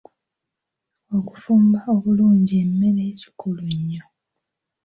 Okufumba obulungi emmere kikulu nnyo.